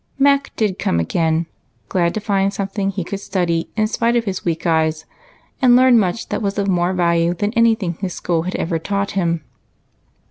Mac did come again, glad to find something he could study in spite of his weak eyes, and learned much that was of more value than any thing his school had ever taught him.